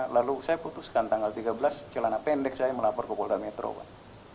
lalu saya putuskan tanggal tiga belas celana pendek saya melapor ke polda metro pak